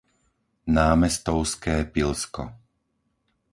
Námestovské Pilsko